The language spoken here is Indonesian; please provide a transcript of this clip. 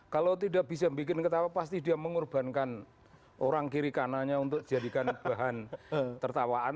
kalau tidak bisa bikin ketawa pasti dia mengorbankan orang kiri kanannya untuk dijadikan bahan tertawaan